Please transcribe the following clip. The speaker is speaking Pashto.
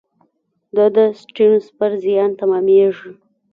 دا د سټیونز پر زیان تمامېږي.